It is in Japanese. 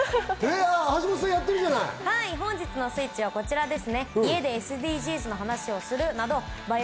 はい、本日のスイッチはこちらです。